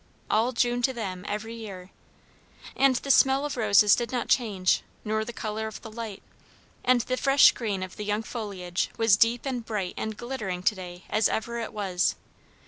"all June to them, every year!" And the smell of roses did not change, nor the colour of the light; and the fresh green of the young foliage was deep and bright and glittering to day as ever it was.